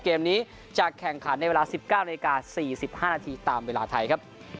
เกมนี้จะแข่งขันในเวลาสิบเก้านาทีการสี่สิบห้านาทีตามเวลาไทยครับ